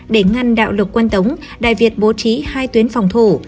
để ngăn đạo lực quân tống đại việt bố trí hai tuyến phòng thủ